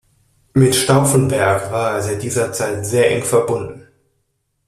Mit Stauffenberg war er seit dieser Zeit sehr eng verbunden.